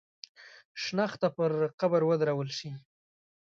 شنخته پر قبر ودرول شي.